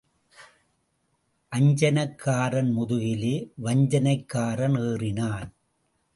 அஞ்சனக்காரன் முதுகிலே வஞ்சனைக்காரன் ஏறினான்.